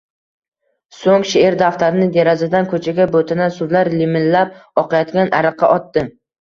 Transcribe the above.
Soʼng sheʼr daftarini derazadan koʼchaga, boʼtana suvlar limillab oqayotgan ariqqa otdi.